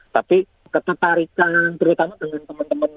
tapi ketertarikan terutama dengan teman teman